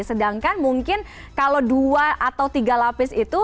sedangkan mungkin kalau dua atau tiga lapis itu